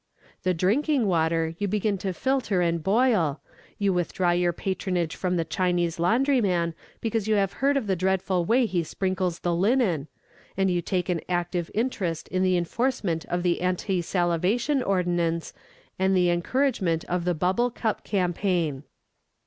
The drinking water you begin to filter and boil, you withdraw your patronage from the Chinese laundryman because you have heard of the dreadful way he sprinkles the linen, and you take an active interest in the enforcement of the anti salivation ordinance and the encouragement of the bubble cup campaign.